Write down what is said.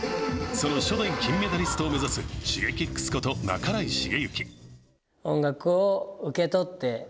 その初代金メダリストを目指すＳｈｉｇｅｋｉｘこと半井重幸。